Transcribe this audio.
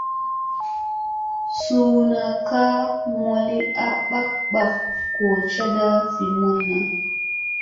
Suuna ka mooli a bak bak goo cada vi mulla.